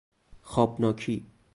خوابناکی